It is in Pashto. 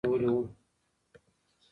هلک د انا لاسونه په ډېر زور سره نیولي وو.